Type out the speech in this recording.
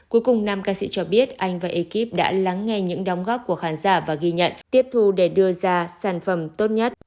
cuối cùng năm ca sĩ cho biết anh và ekip đã lắng nghe những đóng góp của khán giả và ghi nhận tiếp thu để đưa ra sản phẩm tốt nhất